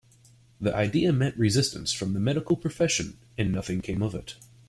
The idea met resistance from the medical profession and nothing came of it.